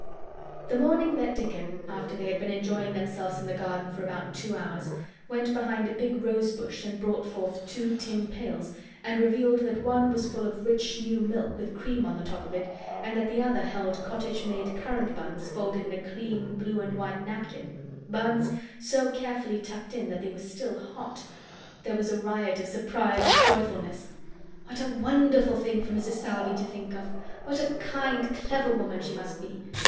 The morning that Dickon—after they had been enjoying themselves in the garden for about two hours—went behind a big rosebush and brought forth two tin pails and revealed that one was full of rich new milk with cream on the top of it, and that the other held cottage made currant buns folded in a clean blue and white napkin, buns so carefully tucked in that they were still hot, there was a riot of surprised joyfulness. What a wonderful thing for Mrs. Sowerby to think of! What a kind, clever woman she must be!